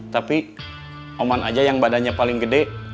tapi oman aja yang badannya paling gede